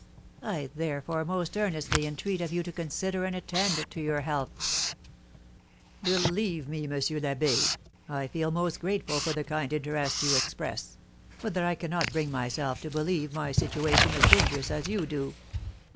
I therefore most earnestly entreat of you to consider and attend to your health." "Believe me, M. l'Abbé, I feel most grateful for the kind interest you express, but that I cannot bring myself to believe my situation as dangerous as you do."